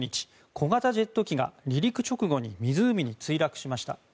小型ジェット機が離陸直後に湖に墜落しました。